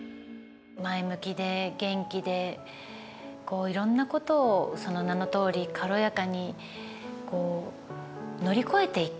前向きで元気でいろんなことをその名のとおり軽やかにこう乗り越えていく。